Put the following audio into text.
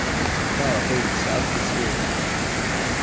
Maɣef ay tessaɣ akk tisfiwin?